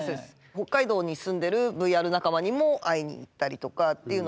北海道に住んでるＶＲ仲間にも会いに行ったりとかっていうので。